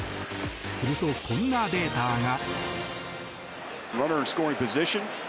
すると、こんなデータが。